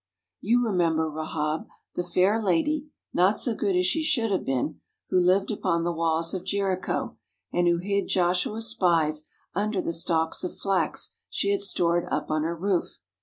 You remember Rahab, the fair lady, not so good as she should have been, who lived upon the walls of Jericho, and who hid Joshua's spies under the stalks of flax she had stored up on her roof.